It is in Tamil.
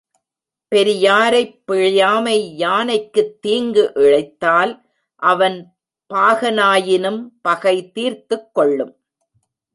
பெரியாரைப் பிழையாமை யானைக்குத் தீங்கு இழைத்தால் அவன் பாகனாயினும் பகை தீர்த்துக் கொள்ளும்.